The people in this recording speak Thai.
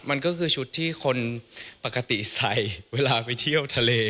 มันก็คือชุดที่คนปกติใส่เวลาไปเที่ยวทะเล